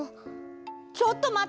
ちょっとまって！